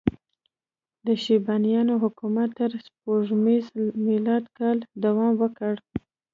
د شیبانیانو حکومت تر سپوږمیز میلادي کاله دوام وکړ.